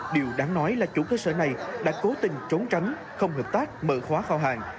điều đáng nói là chủ cơ sở này đã cố tình trốn tránh không hợp tác mở khóa phao hàng